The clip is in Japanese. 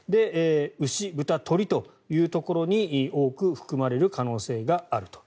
牛、豚、鶏というところに多く含まれる可能性があると。